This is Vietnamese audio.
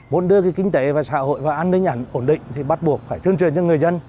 muốn đưa kinh tế xã hội và an ninh ổn định thì bắt buộc phải truyền truyền cho người dân